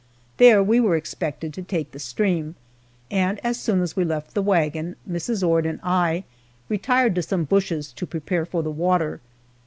There we were expected to take the stream, and as soon as we left the wagon, Mrs. Ord and I retired to some bushes to prepare for the water.